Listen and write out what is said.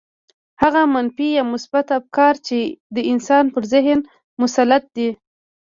هغه منفي يا مثبت افکار چې د انسان پر ذهن مسلط دي.